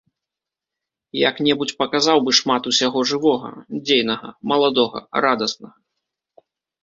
Як-небудзь паказаў бы шмат усяго жывога, дзейнага, маладога, радаснага.